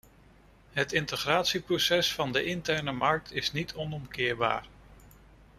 Het integratieproces van de interne markt is niet onomkeerbaar.